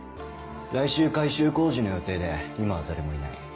来週改修工事の予定で今は誰もいない。